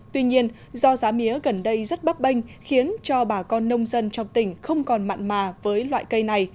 tuy nhiên do giá mía gần đây rất bấp bênh khiến cho bà con nông dân trong tỉnh không còn mặn mà với loại cây này